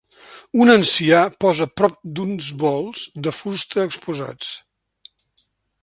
Un ancià posa prop d'uns bols de fusta exposats.